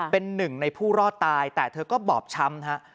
เป็นหนึ่งในผู้รอดตายแต่เธอก็บอบช้ำฮะ